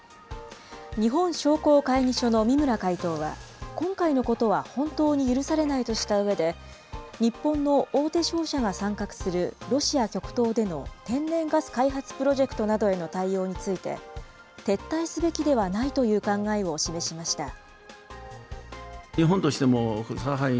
日本商工会議所の三村会頭は、今回のことは本当に許されないとしたうえで、日本の大手商社が参画する、ロシア極東での天然ガス開発プロジェクトなどへの対応について、撤退すべきではないという考えを示しました。